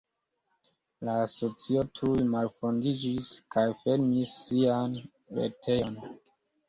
La asocio tuj malfondiĝis kaj fermis sian retejon.